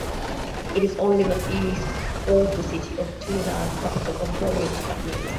It is only northeast of the city of Trinidad, capital of Flores department.